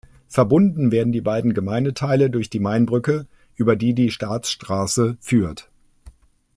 Verbunden werden die beiden Gemeindeteile durch die Mainbrücke, über die die Staatsstraße führt.